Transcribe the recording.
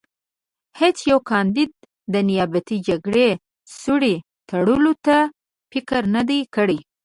هېڅ یوه کاندید د نیابتي جګړې سوړې تړلو ته فکر نه دی کړی.